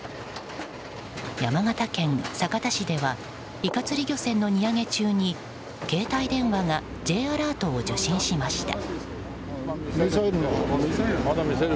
山形県酒田市ではイカ釣り漁船の荷揚げ中に携帯電話がＪアラートを受信しました。